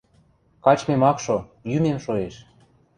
Качмем ак шо, йӱмем шоэш.